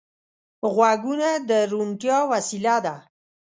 غوږونه د روڼتیا وسیله ده